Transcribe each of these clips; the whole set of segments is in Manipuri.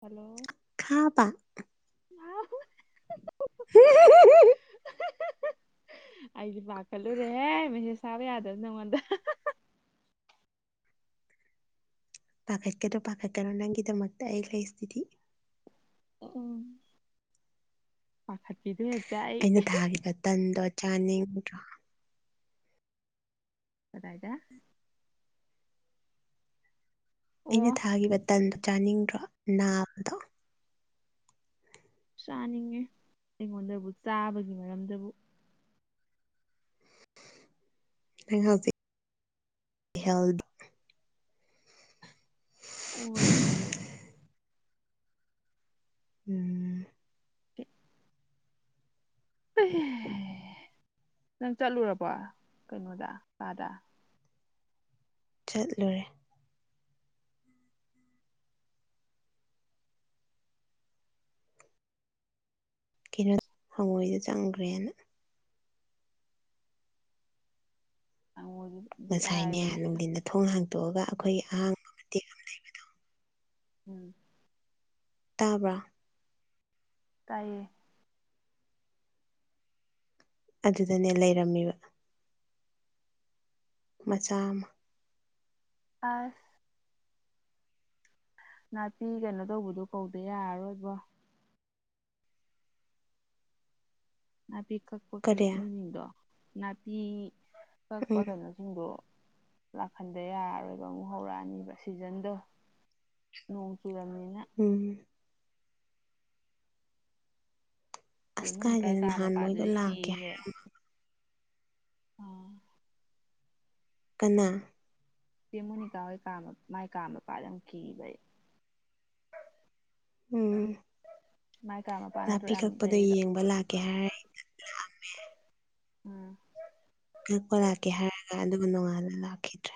ꯍꯜꯂꯣ ꯈꯥꯕ [unintelligible] [unintelligible] ꯑꯩꯗꯤ ꯄꯥꯀꯠꯂꯨꯔꯦꯍꯦ ꯃꯦꯁꯦꯁ ꯊꯥꯕ ꯌꯥꯗꯕꯅꯤꯅꯥ ꯅꯉꯣꯟꯗ ꯄꯥꯈꯠꯀꯗꯣ ꯄꯥꯈꯠꯀꯅꯣ ꯅꯪꯒꯤꯗꯃꯛꯇ ꯑꯩ ꯂꯩꯁꯤꯗꯤ ꯎꯝ ꯄꯥꯈꯠꯄꯤꯗꯦ ꯑꯩꯅ ꯊꯥꯈꯤꯕ ꯇꯟꯗꯣ ꯆꯥꯅꯤꯡꯗ꯭ꯔꯣ ꯀꯗꯥꯏꯗ ꯑꯩꯅ ꯑꯣ ꯊꯥꯈꯤꯕ ꯇꯟꯗꯣ ꯆꯥꯅꯤꯡꯗ꯭ꯔꯣ ꯅꯥꯝꯗꯣ ꯆꯥꯅꯤꯡꯉꯦ ꯑꯩꯉꯣꯟꯗꯕꯨ ꯆꯥꯕꯒꯤ ꯃꯔꯝꯗꯕꯨ ꯅꯪ ꯍꯧꯖꯤꯛ ꯍꯦꯜꯗꯤ ꯑꯣꯗꯤ ꯎꯝ ꯑꯣ ꯑꯦꯍ ꯅꯪ ꯆꯠꯂꯨꯔꯕꯣ ꯀꯩꯅꯣꯗ ꯀꯥꯗ ꯆꯠꯂꯨꯔꯦ ꯀꯩꯅꯣ ꯍꯪꯉꯣꯏꯗ ꯆꯪꯈꯒ꯭ꯔꯦꯅ ꯅꯪꯉꯣꯟꯗꯤ ꯉꯁꯥꯏꯅꯦ ꯑꯔꯥꯏꯕꯅꯦ ꯅꯨꯡꯊꯤꯟꯗ ꯊꯣꯡ ꯍꯥꯡꯗꫭꯛꯑꯒ ꯑꯩꯈꯣꯏꯒꯤ ꯑꯍꯥꯡ ꯎꯝ ꯇꯥꯕ꯭ꯔꫭ ꯇꯥꯏꯌꯦ ꯑꯗꯨꯗꯅꯦ ꯂꯩꯔꯝꯃꯤꯕ ꯃꯆꯥ ꯑꯃ ꯑꯁ ꯅꯥꯄꯤ ꯀꯩꯅꯣ ꯇꯧꯕꯗꯣ ꯀꯧꯗ ꯌꯥꯔꯥꯔꯣꯏꯕꯣ ꯅꯥꯄꯤ ꯀꯛꯄ ꯄ ꯀꯔꯤ ꯃꯤꯁꯤꯡꯗꯣ ꯅꯥꯄꯤ ꯀꯛꯄ ꯎꯝ ꯀꯩꯅꯣ ꯁꯤꯡꯗꯣ ꯂꯥꯛꯍꯟꯗ ꯌꯥꯔꯔꯣꯏꯕ ꯑꯃꯨꯛ ꯍꯧꯔꯑꯅꯤꯕ ꯁꯤꯖꯟꯗꯣ ꯅꯣꯡ ꯆꯨꯨꯔꯝꯅꯤꯅ ꯎꯝ ꯏ ꯑꯁ ꯃꯣꯏꯅꯤꯀꯥꯏ ꯀꯥꯏꯗꯅ ꯀꯥ ꯅꯍꯥꯟ ꯃꯣꯏꯗꯣ ꯃꯄꯥꯗꯨꯗꯤ ꯂꯥꯛꯀꯦ ꯍꯥꯏ ꯀꯤꯍꯦ ꯎꯝ ꯀꯅꯥ ꯃꯣꯅꯤꯀꯥ ꯍꯣꯏ ꯀꯥ ꯃꯥꯏ ꯀꯥ ꯃ ꯄꯥꯠꯂꯝ ꯀꯕꯩ ꯎꯝ ꯉꯥꯏ ꯀꯥꯃ ꯅꯥꯄꯤ ꯀꯛꯄꯗꯣ ꯌꯦꯡꯕ ꯂꯥꯛꯀꯦ ꯍꯥꯏꯔꯦ ꯎꯝ ꯑꯛꯄ ꯂꯥꯛꯀꯦ ꯍꯥꯏꯔꯒ ꯑꯗꯨ ꯅꯣꯡꯉꯥꯟꯅ ꯂꯥꯛꯈꯤꯗ꯭ꯔꯦ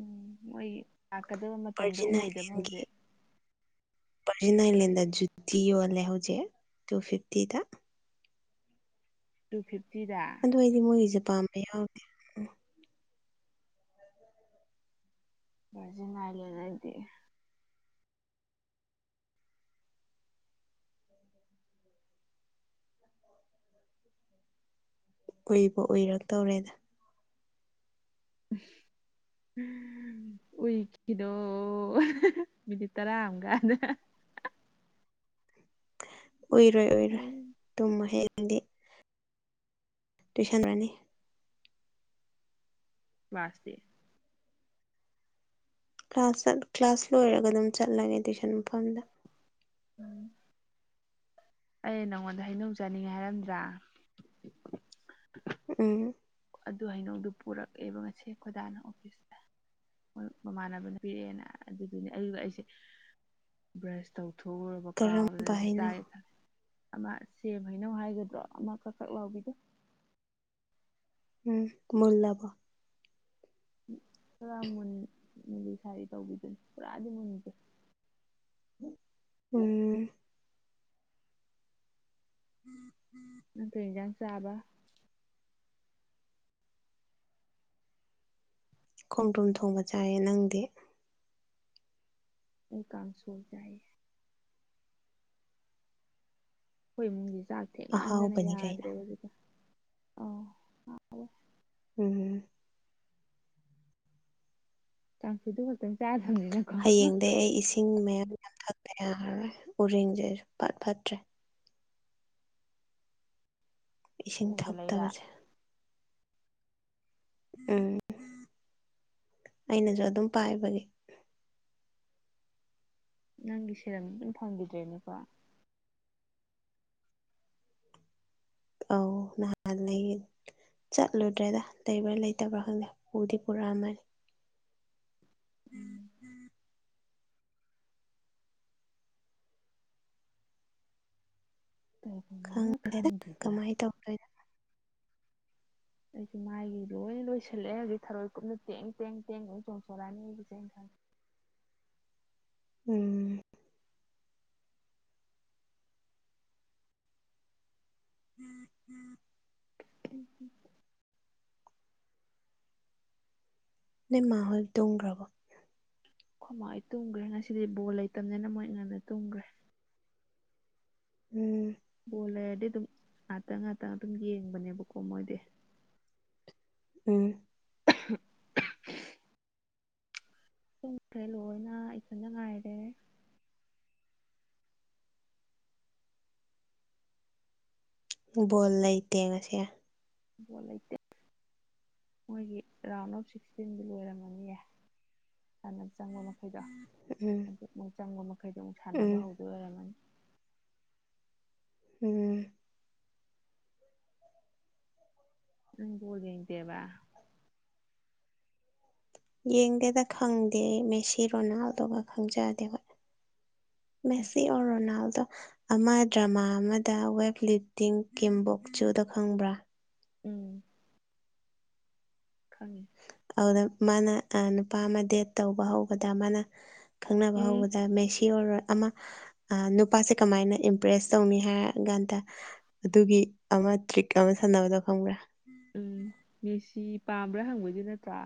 ꯎꯝ ꯃꯣꯏ ꯂꯥꯛꯀꯗꯕ ꯃꯇꯝꯗꯣ ꯑꯣꯏꯗꯕ ꯍꯧꯖꯤꯛ ꯄꯖꯤ ꯀꯔꯤ ꯅꯥꯏꯟꯂꯦꯟꯗ ꯖꯨꯗꯤꯤ ꯌꯣꯜꯂꯦ ꯍꯧꯖꯤꯛ ꯇꯨ ꯐꯤꯐꯇꯤꯗ ꯇꯨ ꯐꯤꯞꯇꯤꯗ ꯑꯗꯨꯗ ꯑꯩꯗꯤ ꯃꯣꯏꯒꯤꯁꯦ ꯄꯥꯝꯕ ꯌꯥꯎꯦ ꯁꯤꯅꯥꯏꯂꯦꯗꯗꯤ ꯀꯨꯏꯕ ꯎꯏꯔꯛꯇꯧꯔꯦꯗ ꯑ ꯎꯏꯈꯤꯗꯣ ꯃꯤꯅꯤꯠ ꯇꯔꯥ ꯑꯃꯀꯥꯟꯗ ꯑꯣꯏꯏꯔꯣꯏ ꯑꯣꯏꯔꯣꯏ ꯑꯩ ꯇꯨꯝꯃ ꯍꯡꯗꯤ ꯇ꯭ꯌꯨꯁꯟ ꯔꯅꯤ ꯃꯥꯁꯦ ꯀ꯭ꯂꯥꯁ ꯀ꯭ꯂꯥꯁ ꯂꯣꯏꯔꯒ ꯑꯗꯨꯝ ꯆꯠꯂꯒꯦ ꯇꯨꯏꯁꯟ ꯃꯐꯝꯗ ꯎꯝ ꯑꯩ ꯅꯉꯣꯟꯗ ꯍꯩꯅꯅꯨꯡ ꯆꯥꯅꯤꯡꯉꯦ ꯍꯥꯏꯔꯝꯗ꯭ꯔꯥ ꯎꯝ ꯑꯗꯨ ꯍꯩꯅꯧꯗꯨ ꯄꯨꯔꯛꯑꯦꯕ ꯉꯁꯦ ꯈꯣꯏꯗꯥꯅ ꯑꯣꯐꯤꯁꯇ ꯃꯣꯏ ꯃꯃꯥꯟꯅꯕꯅ ꯄꯤꯔꯛꯑꯦꯅ ꯑꯗꯨꯒꯤꯅꯦ ꯑꯗꯨꯒ ꯑꯩꯁꯦ ꯕ꯭ꯔꯁ ꯇꯧꯊꯣꯛꯎꯔꯕ ꯀꯥꯎꯅ ꯀꯔꯝꯕ ꯑꯗꯨꯁꯨ ꯍꯩꯅꯣ ꯇꯥꯏꯦ ꯈꯦ ꯑꯃ ꯁꯦꯝ ꯍꯥꯏꯩꯅꯧ ꯍꯥꯏꯒꯗ꯭ꯔꯣ ꯑꯃ ꯈꯛ ꯈꯛ ꯂꯥꯎꯕꯤꯗꯣ ꯎꯝ ꯃꯜꯂꯕ ꯄꯨꯔꯥ ꯃꯨꯟ ꯂꯤ ꯁꯥꯥꯏꯗꯤ ꯇꯧꯕꯤꯗꯨꯅꯤ ꯄꯨꯔꯥꯗꯤ ꯃꯨꯟꯁꯦ ꯎꯝ ꯎꯝ ꯎꯝ ꯅꯠꯇ꯭ꯔ ꯏꯟꯁꯥꯡ ꯆꯥꯕ ꯈꯣꯡꯗ꯭ꯔꯨꯝ ꯊꯣꯡꯕ ꯆꯥꯏꯌꯦ ꯅꯪꯗꯤ ꯑꯩ ꯀꯥꯟꯁꯨ ꯑꯣꯏ ꯆꯥꯏ ꯑꯩꯈꯣꯏ ꯏꯃꯨꯡꯒꯤ ꯆꯥꯛ ꯊꯦꯡꯃꯟꯗꯅ ꯑꯍꯥꯎꯕꯅꯤ ꯀꯩꯅꯣ ꯌꯥꯗ꯭ꯔꯦꯕꯖꯤꯀ ꯑꯥꯎ ꯎꯝ ꯇꯥꯡꯁꯨꯗꯕꯠꯇꯦ ꯍꯌꯦꯡꯗꯒꯤꯩ ꯑꯩ ꯏꯁꯤꯡ ꯃꯌꯥꯝ ꯌꯥꯝ ꯊꯛꯄ ꯌꯥꯔꯣꯏ ꯎꯔꯤꯡꯁꯦ ꯐꯠ ꯐꯠꯇ꯭ꯔꯦ ꯏꯁꯤꯡ ꯊꯣꯡꯗ ꯂꯩꯔꯥ ꯊꯛꯇꯕꯁꯦ ꯎꯝ ꯑꯩꯅꯁꯨ ꯑꯗꯨꯝ ꯄꯥꯏꯕꯒꯤ ꯅꯪꯒꯤ ꯁꯦꯔꯝ ꯑꯗꯨꯝ ꯐꯪꯈꯤꯗ꯭ꯔꯦꯅꯦꯀꯣ ꯑꯧ ꯅꯍꯟ ꯂꯩ ꯆꯠꯂꯨꯗ꯭ꯔꯦꯗ ꯂꯩꯕ꯭ꯔꯥ ꯂꯩꯇꯕ꯭ꯔꯥ ꯈꯪꯗꯦ ꯄꯨꯗꯤ ꯄꯨꯔꯛꯑꯃꯅꯤ ꯎꯝ ꯈꯪꯗꯦꯗ ꯀꯃꯥꯏꯅ ꯇꯧꯗꯣꯏꯅꯣ ꯑꯩꯁꯨ ꯃꯥꯏꯒꯤ ꯂꯣꯏ ꯂꯣꯏꯁꯤꯜꯂꯛꯑꯦ ꯍꯧꯖꯤꯗꯤ ꯊꯔꯣꯏ ꯀꯨꯞꯅ ꯇꯦꯡ ꯇꯦꯡ ꯇꯦꯡ ꯏꯦꯡ ꯆꯣꯡꯊꯣꯔꯂꯛꯑꯅꯤ ꯑꯩꯒꯤ ꯆꯦ ꯎꯝ ꯎꯝ ꯎꯝ ꯎꯝ ꯅ ꯃꯥ ꯍꯜ ꯇꯣꯡ꯭ꯔꯕ ꯈꯨꯃꯥꯏ ꯇꯨꯝꯈ꯭ꯔꯦ ꯉꯁꯤꯗꯤ ꯕꯣꯜ ꯂꯩꯇꯕꯅꯤꯅ ꯃꯣꯏ ꯑꯩ ꯉꯟꯅ ꯇꯨꯝꯈ꯭ꯔꯦ ꯎꯝ ꯕꯣꯂꯔꯗꯤ ꯑꯗꯨꯝ ꯉꯥꯛꯇꯪ ꯉꯥꯛꯇꯪ ꯑꯗꯨꯝ ꯌꯦꯡꯕꯅꯦꯕꯀꯣ ꯃꯣꯏꯗꯤ ꯎꯝ [inaudible] ꯆꯨꯝꯈ꯭ꯔꯦ ꯂꯣꯏꯅ ꯏꯆꯗ ꯉꯥꯏꯔꯦ ꯕꯣꯜ ꯂꯩꯇꯦ ꯉꯁꯤ [inaudible] ꯃꯣꯏꯒꯤ ꯔꯥꯎꯟ ꯑꯣꯐ ꯁꯤꯛꯁꯇꯤꯟꯗꯤ ꯂꯣꯏꯔꯝꯃꯅꯤꯌꯦ ꯍꯥꯟꯅ ꯆꯪꯕ ꯃꯈꯩꯗꯣ ꯎꯝ ꯑꯗꯨꯛ ꯑꯃꯨꯛ ꯆꯪꯝꯕ ꯃꯈꯩꯗꯣ ꯑꯃꯨꯛ ꯁꯥꯟꯅꯕ ꯎꯝ ꯍꯧꯗ ꯑꯣꯏꯔꯝꯃꯅꯤ ꯎꯝ ꯅꯪ ꯕ‌ꯣꯜ ꯌ‌ꯦꯡ ꯗꯦꯕ ꯌꯦꯡꯗꯦꯗ ꯈꯪꯗꯦ ꯑꯩ ꯃꯦꯁꯤ ꯔꯣꯅꯥꯜꯗ‌ꯣꯒ ꯈꯪꯖꯗꯦ ꯈ‌ꯣꯏ ꯃꯦꯁꯤ ꯑꯣꯔ ꯔꯣꯅꯥꯜꯗꯣ ꯑꯃ ꯗ꯭ꯔꯃꯥ ꯑꯃꯗ ꯋꯦꯠ ꯂꯤꯞꯇꯤꯡ ꯀꯤꯝꯕꯣꯛ ꯆꯨꯗ ꯈꯪꯕ꯭ꯔꯥ ꯎꯝ ꯈꯪꯉꯤ ꯑꯗꯨꯗ ꯃꯥꯅ ꯅꯨꯄꯥ ꯑꯃ ꯗꯦꯠ ꯇꯧꯕ ꯍꯧꯕꯗ ꯃꯥꯅ ꯈꯪꯅꯕ ꯎꯝ ꯍꯧꯕꯗ ꯃꯦꯁꯤ ꯑꯣꯔ ꯑꯃ ꯅꯨꯄꯥꯁꯦ ꯀꯃꯥꯏꯅ ꯏꯝꯄ꯭ꯔꯦꯁ ꯇꯧꯅꯤ ꯍꯥꯏꯔ ꯀꯥꯟꯗ ꯑꯗꯨꯒꯤ ꯑꯃ ꯇ꯭ꯔꯤꯛ ꯑꯃ ꯁꯥꯟꯅꯕꯗꯣ ꯈꯪꯕ꯭ꯔꯥ ꯎꯝ ꯃꯦꯁꯤ ꯄꯥꯝꯕ꯭ꯔꯥ ꯍꯪꯕꯩꯗꯨ ꯅꯠꯇ꯭ꯔꯥ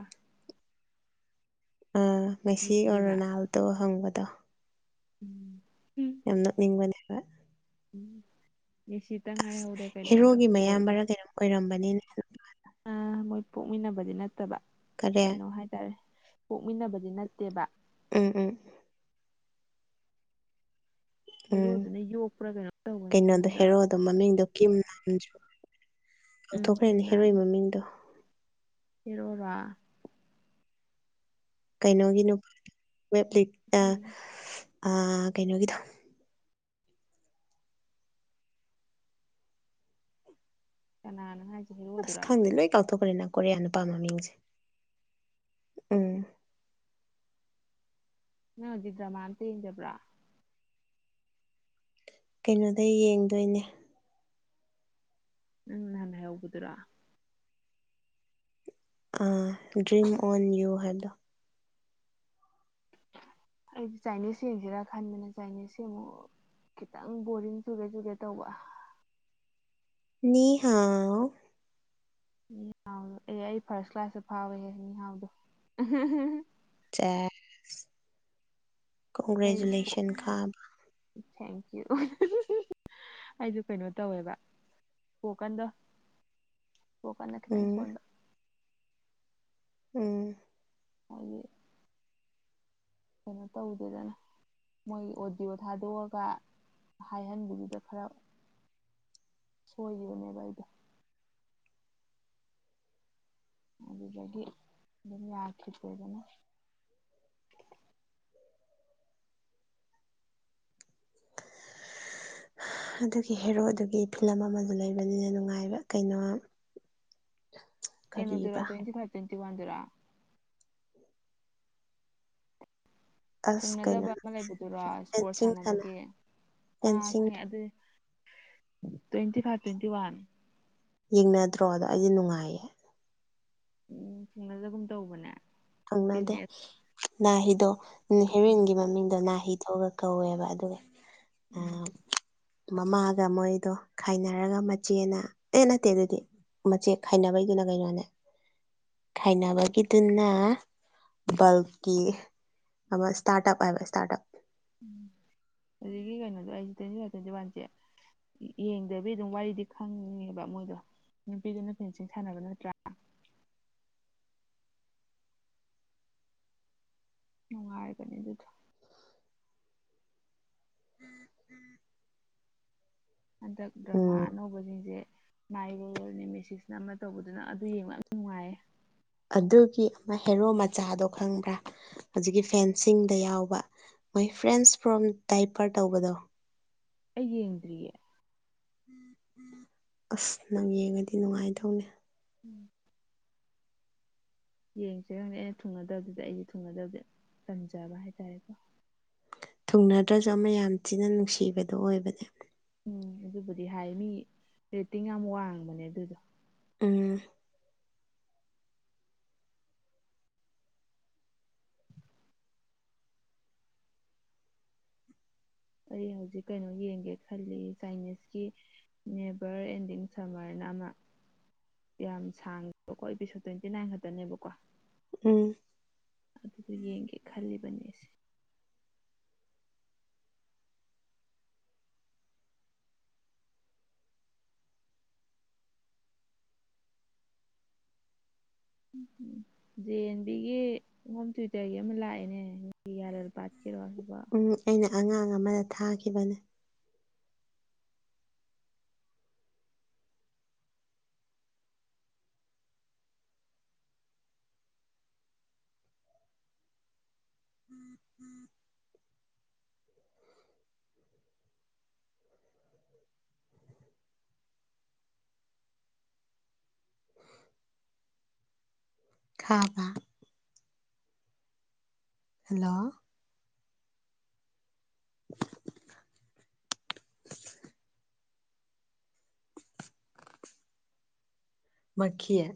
ꯑꯥ ꯃ‌ꯦꯁꯤ ꯑꯣꯔ ꯑꯗꯨꯅ ꯔꯣꯅꯥꯜꯗꯣ ꯍꯪꯕꯗꯣ ꯎꯝ ꯎꯝ ꯌꯥꯝ ꯅꯣꯛꯅꯤꯡꯕꯅꯦ ꯍꯥꯏꯕ ꯎꯝ ꯃ‌ꯦꯁꯤ ꯇꯪ ꯉꯥꯏꯍꯧꯔꯦ ꯀꯩꯅꯣꯗꯣ ꯕꯣꯜꯗꯣ ꯑꯣꯏꯔꯝꯕꯅꯤ ꯑ ꯃꯣꯏ ꯄꯣꯛꯃꯤꯟꯅꯕꯗꯤ ꯅꯠꯇꯕ ꯀꯔꯦ ꯀꯩꯅꯣ ꯍꯥꯏꯇꯥꯔꯦ ꯄ‌ꯣꯛꯃꯤꯟꯅꯕꯗꯤ ꯅꯠꯇꯦꯕ ꯎꯝ ꯎꯝ ꯎꯝ ꯍꯦꯔꯣꯗꯨꯅ ꯌꯣꯛꯄ꯭ꯔꯥ ꯀꯩꯅꯣ ꯇꯧꯕꯅꯤ ꯃꯤꯗ‌ꯣ ꯇ ꯃꯅꯤꯡꯗꯣ ꯀꯤꯝ ꯂꯥꯡ ꯖꯨ ꯎꯝ ꯀꯤꯝꯔꯅꯤ ꯃꯃꯤꯡꯗꯣ ꯄꯤꯔꯛꯑꯣꯔ ꯀꯩꯅꯣꯒꯤꯅꯣ ꯋꯦꯕꯂꯤꯠ ꯈꯪꯉ ꯑ ꯀꯩꯅꯣꯒꯤꯗꯣ ꯀꯅꯥꯅ‌ꯣ ꯍꯥꯏꯁ‌ꯦ ꯑꯁ ꯈꯪꯗꯦ ꯂꯣꯏ ꯀꯥꯎꯊꯣꯛꯈ꯭ꯔꯦꯅ ꯀꯣꯔꯤꯌꯥ ꯅꯨꯄꯥ ꯃꯃꯤꯡꯁꯦ ꯎꯝ ꯅꯪꯗꯤ ꯍꯧꯖꯤꯛ ꯗ꯭ꯔꯃꯥ ꯑꯝꯇ ꯌꯦꯡꯗꯕ꯭ꯔꯥ ꯀꯩꯅꯣꯗ ꯌꯦꯡꯗꯣꯏꯅꯦ ꯅꯪ ꯅꯍꯥꯟ ꯍꯥꯏꯍꯧꯕꯗꯨꯔꯣ ꯑ ꯗ꯭ꯔꯤꯝ ꯑꯣꯟ ꯌꯨ ꯍꯥꯏꯗꯣ ꯑꯩꯗꯤ ꯆꯥꯏꯅꯤꯁ ꯌꯦꯡꯁꯤꯔ ꯈꯟꯕꯅꯦ ꯆꯥꯏꯅꯤꯖꯁꯤ ꯑꯃꯨꯛ ꯈꯤꯇꯪ ꯕꯣꯔꯤꯡ ꯆꯨꯒꯦ ꯆꯨꯒꯦ ꯇꯧꯕ ꯅꯤꯍꯥꯎ ꯍꯥꯎꯗꯣ ꯑꯦ ꯑꯩ ꯐꯥꯔꯁ ꯀ꯭ꯂꯥꯁꯇ ꯐꯥꯎꯋꯦꯍꯦ ꯃꯤꯍꯥꯎꯗꯣ ꯆꯦ ꯑꯩ ꯀꯣꯡꯒ꯭ꯔꯦꯖꯨꯂꯦꯁꯟ ꯈꯥ ꯊꯦꯡꯀ꯭ꯌꯨ ꯑꯩꯁꯨ ꯀꯩꯅꯣ ꯇꯧꯋꯦꯕ ꯏꯁꯄ‌ꯣꯀꯟꯗ‌ꯣ ꯏꯁꯐ‌ꯣꯀꯟꯗ ꯈꯤꯇꯪ ꯎꯝ ꯁ‌ꯣꯟꯕ ꯎꯝ ꯍꯣꯏꯌꯦ ꯀꯩꯅꯣ ꯇꯧꯗꯦꯗꯅ ꯃꯣꯏꯒꯤ ꯑꯣꯗꯤꯑꯣ ꯊꯥꯗꯣꯛꯑꯒ ꯍꯥꯏꯍꯟꯕꯗꯨꯗ ꯈꯔ ꯁꯣꯏꯒꯤꯕꯅꯦꯕ ꯑꯩꯗꯣ ꯑꯗꯨꯗꯒꯤ ꯑꯗꯨꯝ ꯌꯥꯈꯤꯗ꯭ꯔ‌ꯦꯗꯅ [inaudible] ꯑꯗꯨꯒꯤ ꯍꯦꯔꯣꯗꯨꯒꯤ ꯐꯤꯂꯝ ꯑꯃ ꯂꯩꯕꯅꯤꯅ‌ꯦ ꯅꯨꯡꯉꯥꯏꯕ ꯀꯩꯅꯣ ꯀꯩꯅꯣꯗꯨꯔꯣ ꯀꯔꯤꯕ ꯇ꯭ꯋꯦꯟꯇꯤ ꯐꯥꯏꯚ ꯇ꯭ꯋꯦꯟꯇꯤ ꯋꯥꯟ ꯗꯨꯔꯣ ꯑꯁ ꯀꯩꯅꯣ ꯊꯨꯡꯅꯗꯕ ꯑꯃ ꯂꯩꯕꯗꯨꯔꯣ ꯏꯁꯄꯣꯔꯠ ꯐꯦꯟꯁꯤꯡ ꯁꯥꯟꯅ ꯁꯥꯟꯅꯕꯒꯤ ꯑꯥ ꯐꯦꯟꯁꯤꯡ ꯈꯪꯉꯦ ꯑꯗꯨꯗꯤ ꯇ꯭ꯋꯦꯟꯇꯤ ꯐꯥꯏꯚ ꯇ꯭ꯋꯦꯟꯇꯤ ꯋꯥꯟ ꯌꯦꯡꯅꯗ꯭ꯔꯣ ꯑꯗꯣ ꯑꯩꯗꯤ ꯅꯨꯡꯉꯥꯏꯌꯦ ꯎꯝ ꯊꯨꯡꯅꯗꯒꯨꯝ ꯇꯧꯕꯅꯦ ꯊꯨꯡꯅꯗꯦ ꯇꯤꯅꯦꯖ ꯅꯥꯍꯤꯗꯣ ꯎꯝ ꯎꯝ ꯍꯦꯔꯣꯏꯟꯒꯤ ꯃꯃꯤꯡꯗꯣ ꯅꯥꯍꯤ ꯊꯣꯛꯂꯛ ꯀꯧꯋꯦꯕ ꯑꯗꯨꯒ ꯑ ꯎꯝ ꯃꯃꯥꯒ ꯃꯣꯏꯗꯣ ꯈꯥꯏꯅꯔꯒ ꯃꯆꯦꯅ ꯑꯦ ꯅꯠꯇꯦ ꯅꯠꯇꯦ ꯃꯆꯦ ꯈꯥꯏꯅꯕꯒꯤꯗꯨꯅ ꯀꯩꯅꯣꯅꯦ ꯈꯥꯏꯅꯕꯒꯤꯗꯨꯅ ꯕꯜꯀꯤ ꯑꯃ ꯏꯁꯇꯥꯔꯠ ꯑꯞ ꯍꯥꯏꯕ ꯏꯁꯇꯥꯔꯠ ꯑꯞ ꯎꯝ ꯑꯗꯨꯒꯤ ꯀꯩꯅꯣꯗꯣ ꯑꯩꯁꯦ ꯇ꯭ꯋꯦꯟꯇꯤ ꯐꯥꯏꯚ ꯇ꯭ꯋꯦꯟꯇꯤ ꯋꯥꯟꯁꯦ ꯌꯦꯡꯗꯕꯤ ꯑꯗꯨꯝ ꯋꯥꯔꯤꯗꯤ ꯈꯪꯉꯦꯕ ꯃꯣꯏꯗꯣ ꯅꯨꯄꯤꯗꯨꯅ ꯐꯦꯟꯁꯤꯡ ꯁꯥꯟꯅꯕ ꯅꯠꯇ꯭ꯔꯥ ꯅꯨꯡꯉꯥꯏꯕꯅꯦ ꯑꯗꯨꯗꯣ ꯍꯟꯗꯛ ꯗ꯭ꯔꯃꯥ ꯎꯝ ꯑꯅꯧꯕꯁꯤꯡꯁꯦ ꯃꯥꯏꯔꯣꯜꯅꯦ ꯃꯦꯁꯤꯛꯁꯅ ꯑꯃ ꯇꯧꯕꯗꯨꯅ ꯑꯗꯨ ꯌꯦꯡꯕ ꯌꯥꯝ ꯅꯨꯡꯉꯥꯏꯌꯦ ꯑꯗꯨꯒꯤ ꯑꯃ ꯍꯦꯔꯣ ꯃꯆꯥꯗꯣ ꯈꯪꯕ꯭ꯔꯥ ꯍꯧꯖꯤꯛꯀꯤ ꯐꯦꯟꯁꯤꯡꯗ ꯌꯥꯎꯕ ꯃꯣꯏ ꯐ꯭ꯔꯦꯟꯁ ꯐ꯭ꯔꯣꯝ ꯗꯥꯏꯄꯔ ꯇꯧꯕꯗꯣ ꯑꯩ ꯌꯦꯡꯗ꯭ꯔꯤꯌꯦ ꯑꯁ ꯅꯪ ꯌꯦꯡꯉꯗꯤ ꯅꯨꯡꯉꯥꯏꯗꯧꯅꯦ ꯎꯝ ꯌꯦꯡꯁꯤꯔ ꯈꯪꯗꯦ ꯑꯩꯅ ꯊꯨꯡꯅꯗꯕꯗꯨꯗ ꯑꯩꯁꯦ ꯊꯨꯡꯅꯗꯕꯗ ꯇꯟꯖꯕ ꯍꯥꯏꯇꯥꯔꯦꯀꯣ ꯊꯨꯡꯅꯗ꯭ꯔꯁꯨ ꯑꯃ ꯌꯥꯝ ꯊꯤꯅ ꯅꯨꯡꯁꯤꯕꯗꯨ ꯑꯣꯏꯕꯅꯦ ꯎꯝ ꯑꯗꯨꯕꯨꯗꯤ ꯍꯥꯏ ꯃꯤ ꯔꯦꯇꯤꯡ ꯌꯥꯝ ꯋꯥꯡꯕꯅꯦ ꯑꯗꯨꯗꯣ ꯎꯝ ꯑꯩ ꯍꯧꯖꯤꯛ ꯀꯩꯅꯣ ꯌꯦꯡꯒꯦ ꯈꯜꯂꯤ ꯆꯥꯏꯅꯤꯁꯀꯤ ꯅꯦꯕꯔ ꯑꯦꯟꯗꯤꯡ ꯁꯝꯃꯔꯅ ꯑꯃ ꯌꯥꯝ ꯁꯥꯡꯗꯦꯕꯀꯣ ꯑꯦꯄꯤꯁꯣꯠ ꯇ꯭ꯋꯦꯟꯇꯤ ꯅꯥꯏꯟ ꯈꯛꯇꯅꯦꯕꯀꯣ ꯎꯝ ꯑꯗꯨꯒ ꯌꯦꯡꯒꯦ ꯈꯜꯂꯤꯕꯅꯤ ꯑꯩꯁꯦ ꯎꯝ ꯎꯝ ꯖꯦ ꯑꯦꯟ ꯕꯤꯒꯤ ꯍꯣꯝ ꯊꯨꯋꯇꯔꯒꯤ ꯑꯃ ꯂꯥꯛꯑꯦꯅꯦ ꯌꯥꯔ ꯄꯥꯠꯀꯦꯔꯣ ꯁꯤꯐꯥꯎ ꯎꯝ ꯑꯩꯅ ꯑꯉꯥꯡ ꯑꯃꯗ ꯊꯥꯈꯤꯕꯅꯦ ꯈꯥꯕ ꯍꯜꯂꯣ [unintelligible] ꯃꯈꯤꯌꯦ